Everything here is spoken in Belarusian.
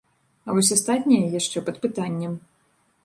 А вось астатняе яшчэ пад пытаннем.